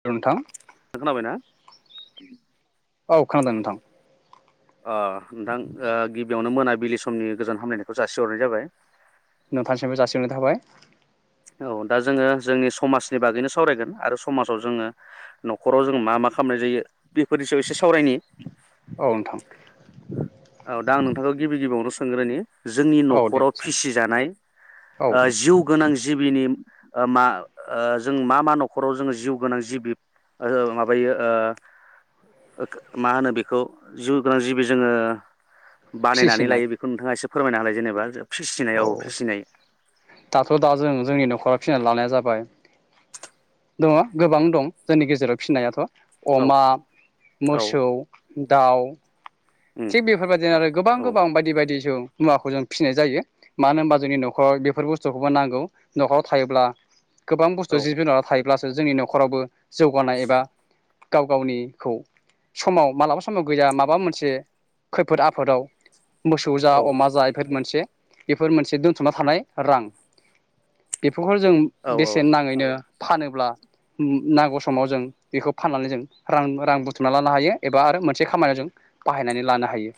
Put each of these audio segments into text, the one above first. औ नोंथां खोनाबायना औ खोनादों नोंथां ओ नोंथां ओ गिबियावनो मोनाबिलि समनि गोजान हामलायनायखौ जासिहरनाय जाबाय नोथां सिमबो जासि हरनाय थाबाय औ दा जोङो जोंनि बेफोरनि सायाव एसे सावरायनि औ नोंथां औ दा आं नोनथांखौ गिबि गिबियावनो स हांग्रानि जोंनि औ दे न'खराव फिसिजानाय औ ओ जिउ गोनां दिम ओ मा ओ जों मा मा न'खराव जोङो जिउ गोनां जिबिब ओ माबायो ओ मा होनो बेखौ जिउ गोनां जिबि जोङो बानायनानै फिसिनाय लायो बेखौ नोंथाङा एसेब फोरमायना हालाय जेनेबा फिसिनाय औ फिसिनाय दाथ' दा जों जोंनि न'खराव फिनानै लानाया जाबाय दङ गोबां दं जोंनि गेजेराव फिसिनायाथ अमा औ औ मोसौ दाउ उम थिग बेफोरबायदिनो आरो गोबां औ गोबां बायदि बायदि जो मुवाखौ जों फिनाय जायो मानो होमबा जोंनि न'खराव बेफोर बुस्थुखौबो नांगौ न'खराव थायोब्ला गोबां औ बुस्थु जिब जुनारा थाय ब्लासो जोंनि न'खरावबो जौगानाय एबा गाव गावनिखौ समाव मालाबा समाव गैया माबा मोनसे खैफोद आफोदाव मोसौ जा औ अमा जा बेफोर मोनसे बेफोर मोनसे दोनथुमना थानाय रां बे खौहाय जों औ बेसेन नाङैनो फानोब्ला नांगौ समाव जों बेखौ फाननानै जों रां रां बुथुमना लानो हायो एबा आरो मोनसे खामानियाव जों बाहायनानै लानो हायो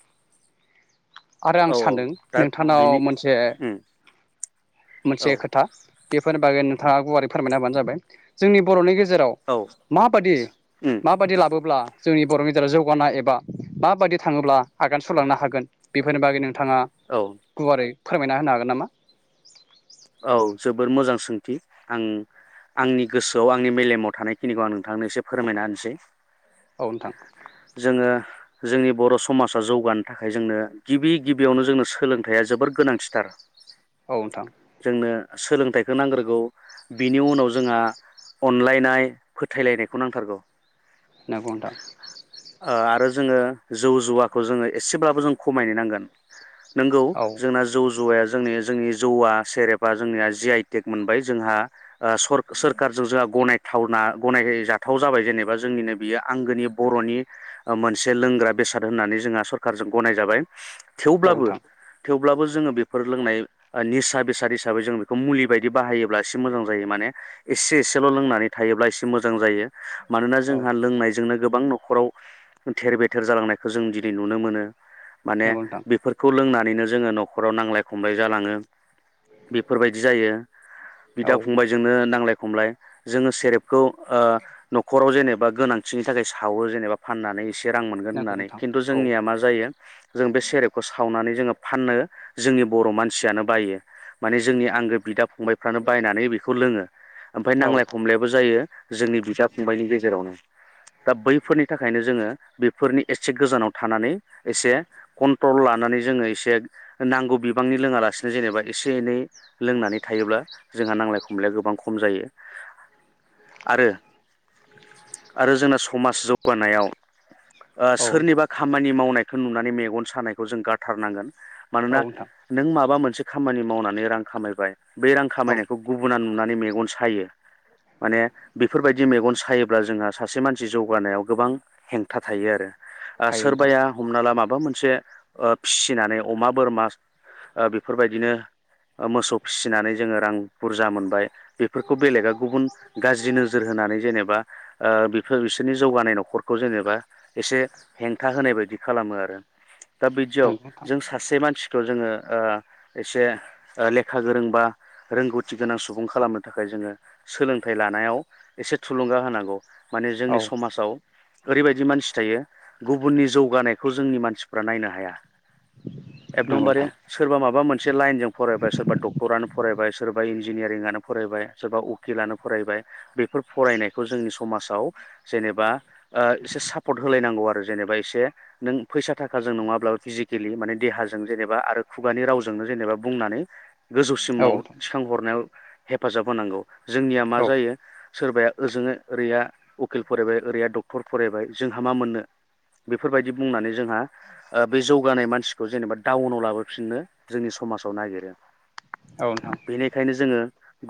आरो आं औ सानदों दा नोंथांनाव बिनि मोनसे उम औ मोनसे खोथा बेफोर बागै नोंथाङा गुवारै फोरमायना होबानो जाबाय जोंनि बर'नि गेजे जेराव माबादि उम माबादि लाबोब्ला जोंनि बर'नि गेजेराव जौगानाय एबा माबायदि थाङोब्ला आगान सुरलांनो हागोन बे फोरनि बागै नोंथाङा औ गुवारै फोरमायना होनो हागोन नामा? औ जोबोर मोजां सोंथि आं आंनि गोसोआव आंनि मेलेमाव थानायखिनिखौ आं नोंथांनो एसे फोरमायना होनसै। औ नोंथां जोङो जोंनि बर' समाजा जौगानो थाखाय जोंनो गिबि गिबियावनो जोंनो सोलोंथाइया जोबोर गोनांथिथार औ नोंथां। जोंनो सोलोंथाइखौ नांग्रोगौ बिनि उनाव जोंहा अनलायनाय फोथायलायनायखौ नांथारगौ। नंगौ नोंथां ओ आरो जोङो जौ जुवाखौ जोङो एसेब्लाबो जों खमायनो नांगोन नोंगौ औ जोंना जौ जुवाया जोंनि जोंनि जौआ सेरेबा जोंनिया जि आइ टेक मोनबाय जोंहा सोरखारजों जोंहा गनायथावना गनायजाथाव जाबाय जेनेबा जोंनिनो बियो आंगोनि बर'नि मोनसे लोंग्रा बेसाद होननानै जोंहा सखारजों गनाय जाबाय। औ थेवब्लाबो नोंथां थेव ब्लाबो जोङो बेफोर लोंनाय ओ निसा बेसा द हिसाबै जों बेखौ मुलि बायदि बाहायोब्ला एसे मोजां जायो माने एसे एसेल' लोंनानै थायोब्ला एसे मोजां जायो। मानोना औ जोंहा लोंनायजोंनो गोबां न'खराव थेर बेथेर जालांनायखौ जों दिनै नुनो मोनो। माने नंगौ नोंथां बेफोरखौ लोंना नैनो जोङो न'खराव नांलाय खमलाय जालाङो। बेफोरबायदि जायो औ बिदा फंबायजोंनो नांलाय खमलाय जोङो सेरेबखौ ओ न'खराव जेनेबा गोनांथिनि थाखाय सावो जेनेबा फाननानै से रां मोनगोन नंगौ होननानै नोंथां खिन्थु औ जोंनिया मा जायो जों बे सेरेबखौ सावनानै जोङो फाननो जोंनि बर' मानसियानो बायो। माने जोंनि आंगो बिदा फंबायफ्रानो बायनानै बेखौ लोङो ओमफाय औ नांलाय खमलायबो जायो। जोंनि बिदा फंबायनि गेजेरावनो दा बैफोरनि थाखायनो जोङो बेफोरनि एसे गोजानाव थानानै एसे कन्ट्रल लानानै जोङो एसे नांगौ बिबांनि लोङालासिनो जेनेबा एसे एनै लोंनानै थायोब्ला जोंहा नांलाय खमलाया गोबां खम जायो आरो आरो जोंना समाज जौगानायाव ओ औ नोंथां सोरनिबा खामानि मावनाय बेखौ नुनानै मेगन सानायखौ जों गाराथारनांगोन। औ मानोना नोंथां नों माबा मोनसे खामानि मावनानै रां खामायबाय। बे रां औ खामायनायखौ गुबुुनना नुनानै मेगन सायो माने बेफोरबायदि मेगन सायोब्ला जोंहा सासे मानसि जौगानायाव गोबां हेंथा थायो आरो थायो नोंथां सोरबाया हमना ला माबा माबा मोनसे ओ फिसिनानै अमा बोरमा ओ बेफोरबायदिनो मोसौ फिसिनानै जोङो रां बुरजा मोनबाय। बेफोरखौ बेलेगा गुबुन गाज्रि नोजोर होनानै जेनेबा ओ बेफोर बिसोरनि जौगानाय नखरखौ जेनेबा एसे हेंथा होनाय बायदि खालामो आरो। दा बिदियाव नंगौ नोंथां जों सासे मानसि थ' जोङो ओ एसे लेखा गोरों बा रोंगौथि गोनां सुबुं खालामनो थाखाय जोङो सोलोंथाइ लानायाव एसे थुलुंगा होनांगौ। माने औ जोंनि समाजाव ओरैबायदि मानसि थायो गुबुननि जौगानायखौ जोंनि मानसिफ्रा नायनो हाया। नंगौ एकदमबारे नोंथां सोरबा माबा मोनसे लाइनजों फरायबाय सोरबा डक्टरानो फरायबाय सोरबा इन्जिनियारिंनो फरायबाय सोरबा उकिलानो फरायबाय बे फोर फरायनायखौ जोंनि समाज आव जेबा एसे सापर्ट होलायनांगौ आरो जेनेबा एसे नों फैसा थाखाजों नङाब्लाबो फिजिकेलि माने देहाजों जेनेबा आरो खुगानि रावजों जेनेबा बुंनानै औ गोजौसिमाव नोंथां थिखांहरनायाव हेफाजाब होनांगौ। जोंनिया मा औ जायो सोरबाया ओजोङै ओरैया उकिल फरायबाय ओरैया डक्टर फरायबाय जोंहा मा मोननो बेफोरबायदि बुंनानै जोंहा बे ओ जौगानाय मानसिखौ जेनेबा डाउनाव लाबोफिननो जोंनि समाजाव नागिरो। औ नोंथां बेनिखायनो जोङो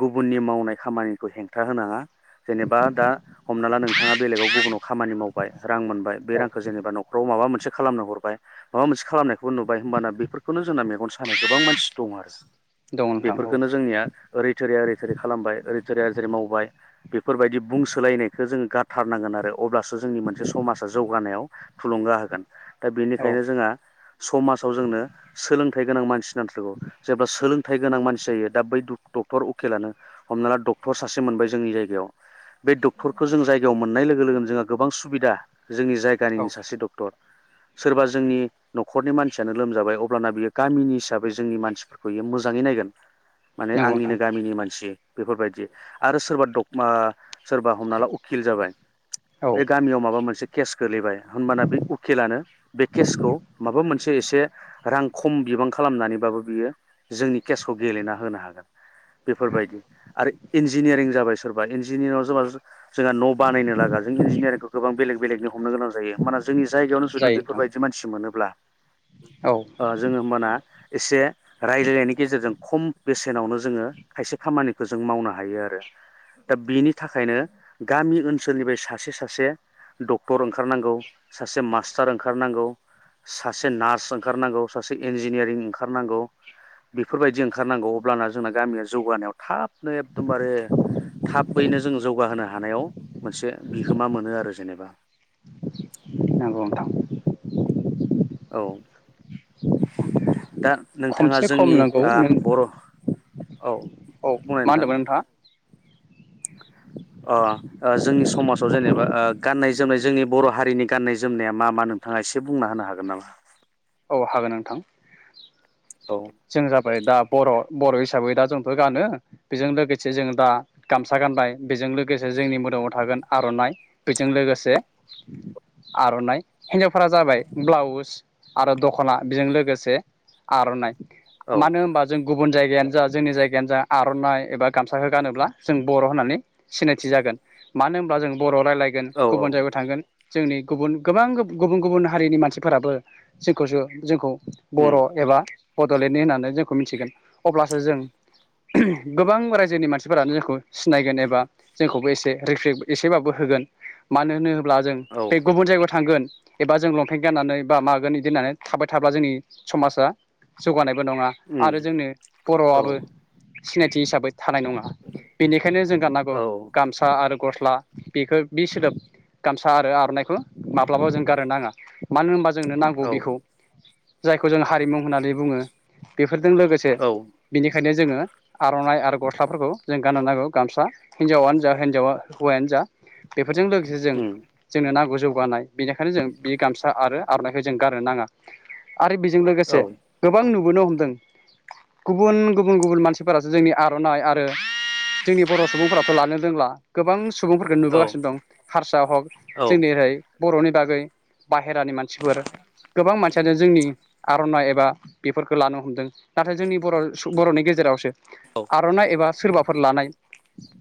गुबुननि मावनाय खामानिखौ हेंथा होनाङा। जेनेबा दा हमना ला नोंथाङा बेलेगाव गुबुनाव खामानि माव बाय रां मोनबाय बे औ रांखौ जेनेबा न'खराव माबा मोनसे खालामनो हरबाय माबा मोनसे खालामनायखौबो नुबाय होमबाना बेफोरखौनो जोंना मेगन गोबां मानसि दं आरो। दङ नोंथां औ बेफोरखौननो जोंनिया ओरै थै ओै थोरै खालामबाय ओरै थोरैया ओरै मावबाय बेफोरबायदि बुंसोलायनायखौ जोङो गारथारनांगोन आरो अब्लासो जोंनि मोनसे समाजा जौगानायाव थुलुंगा होगोन। दा औ बेनिखायनो जोंहा समाजाव जोंनो सोलों थाइ गोनां मानसि नांथारगौ। जेब्ला सोलों थाइ गोनां मानसि जायो। दा बै दुख' डक्टर उकिलानो हमना ला डक्टर सासे मोनबाय जोंनि जायगायाव बे डक्टरखौ जों जायगायाव मोननाय लोगो लोगोनो जोंहा गोबां सुबिदा। जोंनि औ जायगानिनो सासे डक्टर। सोरबा जोंनि नखरनि मानसियानो लोमजाबाय अब्लाना बियो गामिनि हिसाबै जोंनि मानसिफोरखौ बियो मोजाङै नायगोन। माने नंगौ नोंथां आंनिनो गामिनि मानसि बेफोरबायदि। आरो सोरबा डक मा सोरबा हमना ला उखिल जाबाय औ बे गामियाव माबा मोनसे केस' गोलैबाय होनबाना बे उकिलानो बे केसखौ माबा मोनसे एसे रां खम बिबां खालामनानैबाबो बियो जोंनि केसखौ गेलेना होनो हागोन बेफोरबायदि आरो इन्जिनियारिं जाबाय सोरबा इन्जिनियारिंआव सोरबा जोंहा न' बानायनो लागा जों इन्जिनियारिंखौ गोबां बेलेग बेलेगनि हमनो गोनां जायो होनबाना जोंनि जायगायावनो जुदि जायो नोंथां बेफोरबायदि मानसि मोनोब्ला औ । जोङो होमबाना एसे रायलायनायनि गेजेरजों खम' बेसेनावनो जोङो खायसे खामानिखौ जों मावनो हायो आरो दा बेनि थाखायनो गामि ओनसोलनिफ्राय सासे सासे डक्टर ओंखारनांगौ सासे मास्टार ओंखारनांगौ सासे नार्स ओंखारनांगौ । सासे इन्जिनियारिं ओंखारनांगौ बेफोरबायदि ओंखारनांगौ अब्लाना जोंना गामिया जौगानायाव थाब नो एकदमबारे थाबैनो जों जौगाहोनो हानायाव मोनसे बिहोमा मोनो आरो जेनेबा नंगौ नोंथां । औ । दा नोंथाङा खमसे खम जोंनि नंगौ आ नों बर' औ औ बुंनाय मा नोंथां होन्दोंमोन नोंथाङा? अ' ओ जोंनि समाजाव जेनेबा ओ गाननाय जोमनाय जोंनि बर' हारिनि गाननाय जोमनाया मा मा नोंथाङा एसे बुंना होनो हागोन नामा? अ' हागोन नोंथां औ । जों जाबाय दाब बर' बर' हिसाबै दा जोंथ' गानो बेजों लोगोसे जों दा गामसा गानबाय बेजों लोगोसे जोंनि मोदोमाव थागोन आर'नाइ बेजों लोगोसे आर'नाइ हिनजावफोरा जाबाय ब्लाउस आरो दख'ना बेजों लोगोसे आर'नाइ । औ मानो होनोमबा जों गुबुन जायगायानो जा जोंनि जायगायानो जा आर'नाइ एबा गामसाखौ गानोब्ला जों बर' होननानै सिनायथि जागोन मानो होनोब्ला जों बर' रायज्लायगोन औ औ गुबुन जायगायाव थांगोन । जोंनि गुबुन गोबां गुब' गुबुन गुबुन हारिनि मानसिफोराबो जोंखौसो जोंखौ उम बर' एबा बड'लेण्डनि होननानै जोंखौ मिथिगोन अब्लासो जों गोबां रायजोनि मानसिफोरानो जोंखौ सिनायगोन एबा जोंखौबो एसे रिस्पेक्ट एसेबाबो होगोन मानो होनो ब्ला जों औ बे गुबुन जायगायाव थांगोन । एबा जों लंपेन्ट गाननानै बा मागोन बिदि होननानै थाबाय थाब्ला जोंनि समाजा जौगानाय नङा उम आरो जोंनो औ बर'आबो सिनायथि हिसाबै थानाय नङा बेनिखायनो जों गाननांगौ औ गामसा आरो गस्ला । बेखौ बि सोदोब गामसा आरो आर'नाइखौ माब्लाबा जों गारनो नाङा मानो होनबा जोंनो नांगौ औ बेखौ जायखौ जों हारिमु होननानै बुङो फोरजों लोगोसे औ बेनिखायनो जोङो आर'नाइ आरो गस्लाफोरखौ जों गाननो नांगौ गामसा हिनजावानो जा हिनजाव हौवायानो जा बे बेफोरजों लोगोसे जों उम जोंनो नांगौ जौगानाय बेनिखायनो जों बे गामसा आरो आर'नाइखौ जों गारनो नाङा। आरो बेजों औ लोगोसे गोबां नुबोनो हमदों गुबुन गुबुन गुबुन मानसिफोरासो जोंनि आर'नाइ आरो जोंनि बर' सुबुंफोराथ' लानो रोंला गोबां सुबुंफोरखौ औ नुबोगासिनो दं हारसा हग औ जोंनि ओरै बर'नि बागै बाहेर हेरानि मानसिफोर गोबां मानसियानो जोंनि [unintelligible] बेफोरखौ लानो हमदों नाथाय जोंनि बर' बर'नि गेजेरावसो औ आर'ना एबा सोरबा फोर लानाय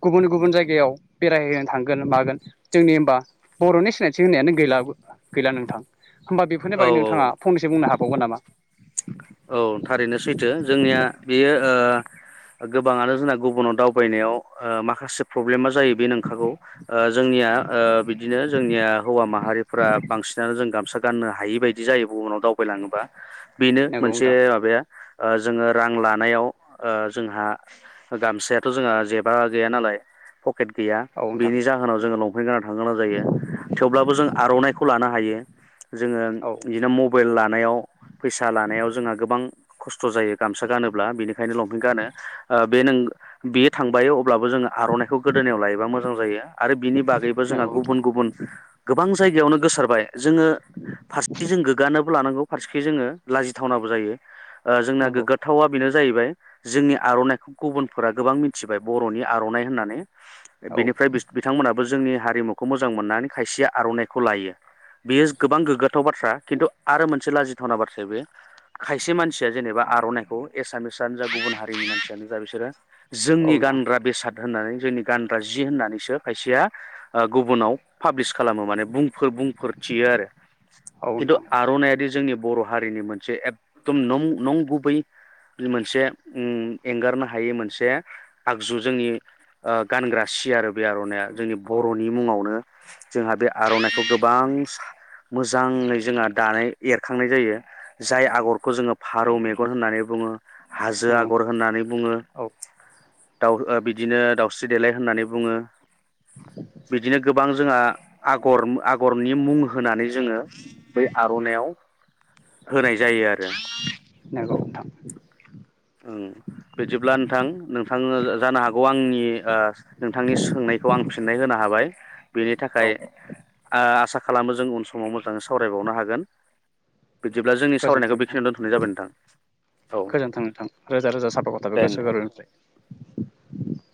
गुबुन गुबुन जायगायाव बेरायहैनो थांगोन मागोन जोंनि हबा बर'नि सिनायथि होनायानो गैला गैला नोंथां होमबा बेफोरनि बागै नोंथाङा औ फंनसो बुंनो हागोन [unintelligible] औ थारैनो सैथो जोंनिया बेयो गोबाङानो जोंना गुबुनाव दावबायनायाव माखासे प्रब्लेमा जायो बे नंखागौ जोंनिया बिदिनो जोंनिया हौवा माहारिफोरा्रा बांसिनानो जों गामसा गाननो हायि बायदि जायो गुबुनाव दावबायलाङोबा बेनो नंगौ मोनसे नोंथां माबाया जोङो रां लानायाव जोंहा गामसायाथ' जोंहा जेबा गैया नालाय पकेट गैया औ नोंथां बेनि जाहोनाव जोंङो लं [unintelligible] गोनां जायो थेवब्लाबो जों आर'नाइखौ लानो हायो। जोङो औ बिदिनो मबाइल लानानै नायाव फैसा लानायाव जोंहा गोबां खस्थ' जायो गामसा गानोब्ला बेनिखायनो लंपेंट गानो बे नों बेयो थांबाय अब्लाबो जोङो आर'नाइखौ गोदोनायाव लायोबा मोजां जायो आरो बिनि बागैबो जोंहा नंगौ नोंथां गुबुन गुबुन गोबां जायगायावनो गोसारबाय जोङो फारसे जों गोग्गानोबो लानांगौ फारसेखि जोङो लाजि थावनाबो जायो जोंना नंगौ गोग्गाथावा बेनो जाहैबाय जोंनि आर'नाइखौ गुबुनफोरा गोबां मिथिबाय बर'नि आर'नाइ होननानै औ बिनिफ्राय बिथांमोना बो जोंनि हारिमुखौ मोजां मोननानै खायसेया आर'नाइखौ लायो बेयो गोबां गोग्गाथाव बाथ्रा खिन्थु आरो मोनसे लाजिथावना बाथ्राया बे खायसे मानसिया जेनेबा आर'नाइखौ एसामिस जा गुबुन हारिनि मानसियानो जा बिसोरो औ जोंनि नोंथां गानग्रा बेसाद होननानै जोंनि गानग्रा जि होननानैसो खायसेया गुबुनाव पाब्लिस खालामो मानेफोर बुंफोर थियो आरो औ खिन्थु आर'नाइआदि जोंनि बर' हारिनि मोनसे मोनसे एकदम नं नं गुबै मोनसे एंगारनो हायै मोनसे आगजु जोंनि गानग्रा सि आरो बे आर'नाइया जोंनि बर'नि मुङावनो जोंहा बे आर'नाइखौ गोबां मोजाङै जोंहा दानाय एरखांनाय जायो। जाय आगरखौ जोङो फारौ मेगन होननानै बुङो। हाजो नोंथां आगर होननानै बुङो औ दाउ बिदिनो दाउस्रि देलाय होननानै बुङो बिदिनो गोबां जोंहा आगर आगरनि मुं होनानै जोङो बै आर'नाइयाव होनाय जायो आरो नंगौ नोंथां ओं बिदिब्ला नोंथां नोंथांनो जानो हागौ आंनि ओ नोंथांनि सोंनायखौ आं फिननाय होनो हाबाय, बेनि औ थाखाय आ आसा खालामो जों उन समाव मोजाङै सावरायबावनो हागोन, बिदिब्ला जोंनि गोजोन्थों सावरायनायखौ नोंथां बेखिनियाव दोनथ'नाय जाबाय नोंथां औ गोजोन्थों नोंथां रोजा रोजा साफाखथाबो दे गोसो नोंथां गोरोनिफ्राय,